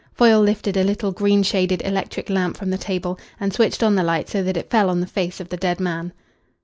Foyle lifted a little green shaded electric lamp from the table, and switched on the light so that it fell on the face of the dead man.